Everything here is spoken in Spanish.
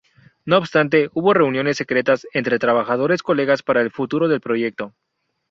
No obstante, hubo reuniones secretas entre trabajadores colegas para el futuro proyecto.